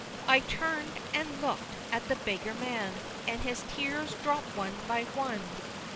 I turn'd, and look'd at the beggar man, And his tears dropt one by one!